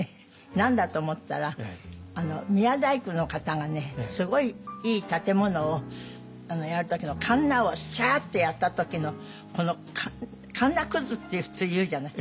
何だと思ったら宮大工の方がすごいいい建物をやる時のカンナをスッとやった時のこのカンナくずって普通言うじゃない？